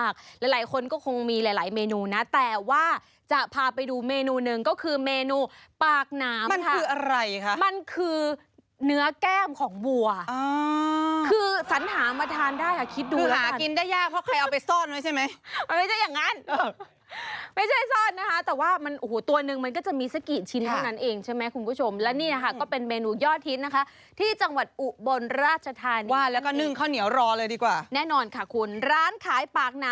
แก้มของบัวคือสันหามาทานได้ค่ะคิดดูแล้วกันหากินได้ยากเพราะใครเอาไปซ่อนไว้ใช่ไหมไม่ใช่อย่างนั้นไม่ใช่ซ่อนนะคะแต่ว่ามันตัวหนึ่งมันก็จะมีสักกี่ชิ้นเท่านั้นเองใช่ไหมคุณผู้ชมและนี่นะคะก็เป็นเมนูยอดทิศนะคะที่จังหวัดอุบลราชธานิดนึงแล้วก็นึงข้าวเหนียวรอเลยดีกว่าแน่นอนค่ะคุณร้านขายปากน